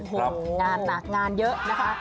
โอ้โหงานหนักงานเยอะนะคะ